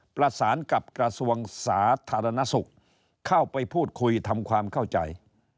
ประสานกับกระทรวงสาธารณสุขเข้าไปพูดคุยทำความเข้าใจ